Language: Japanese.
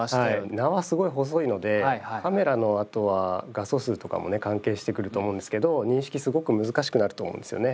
縄すごい細いのでカメラのあとは画素数とかもね関係してくると思うんですけど認識すごく難しくなると思うんですよね。